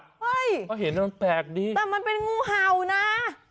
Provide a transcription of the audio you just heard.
เฮ้ยแต่มันเป็นงูเห่านะมันเห็นนั้นแปลกดิ